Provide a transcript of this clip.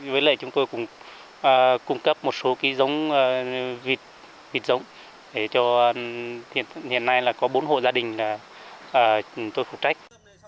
với lại chúng tôi cũng cung cấp một số dống vịt để cho hiện nay có bốn hộ gia đình tôi phụ trách